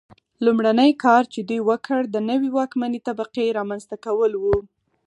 لومړنی کار چې دوی وکړ د نوې واکمنې طبقې رامنځته کول و.